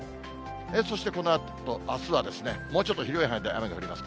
そしてこのあと、あすはもうちょっと広い範囲で雨が降ります。